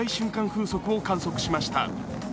風速を観測しました。